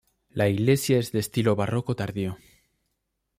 La iglesia es de estilo barroco tardío.